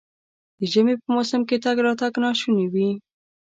د ژمي په موسم کې تګ راتګ ناشونی وي.